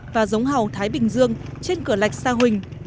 và giống hào thái bình dương trên cửa lạch sao hình